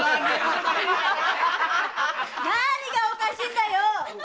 何がおかしいんだよ！